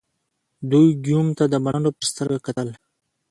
دوی ګیوم ته د ملنډو په سترګه کتل.